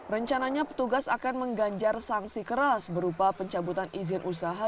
rencananya petugas akan mengganjar sanksi keras berupa pencabutan izin usaha